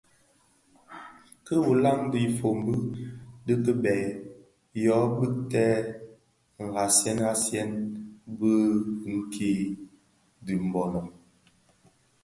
Merke wu nlan dhifombi di kibèè dyo bigtèn nghaghasiyen bon bë nki di Mbono.